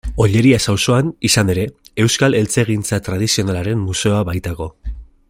Ollerias auzoan, izan ere, Euskal Eltzegintza Tradizionalaren Museoa baitago.